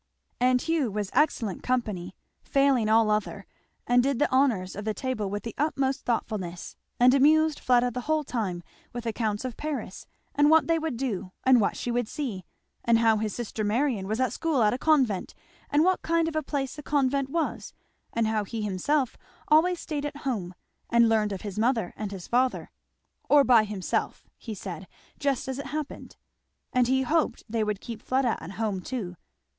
And Hugh was excellent company, failing all other, and did the honours of the table with the utmost thoughtfulness, and amused Fleda the whole time with accounts of Paris and what they would do and what she should see; and how his sister Marion was at school at a convent, and what kind of a place a convent was; and how he himself always staid at home and learned of his mother and his father; "or by himself," he said, "just as it happened;" and he hoped they would keep Fleda at home too.